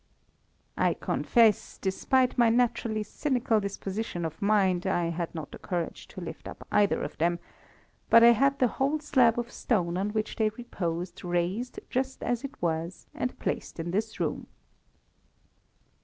"I confess, despite my naturally cynical disposition of mind, I had not the courage to lift up either of them; but I had the whole slab of stone on which they reposed, raised just as it was and placed in this room.